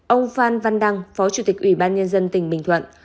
ông phan văn đăng phó chủ tịch ủy ban nhân dân tỉnh bình thuận